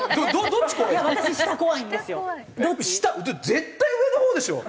絶対上のほうでしょ。